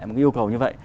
một cái yêu cầu như vậy